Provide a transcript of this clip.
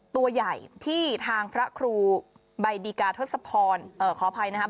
ที่ทางพระครูบัยดิกาทศพรขออภัยนะครับ